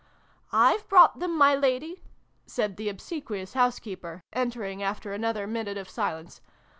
"I've brought them, my Lady," said the obsequious housekeeper, entering after another minute of silence.